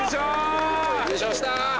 優勝した。